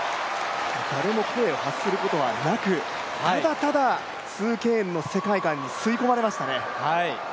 誰も声を発することはなくただただ鄒敬園の世界観に吸い込まれましたね。